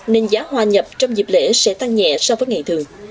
nên giá hoa nhập trong dịp lễ sẽ tăng nhẹ so với ngày thường